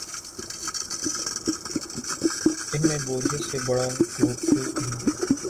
ان میں بوریت سے بڑا روگ کوئی نہیں۔